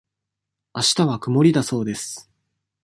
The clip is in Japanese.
あしたは曇りだそうです。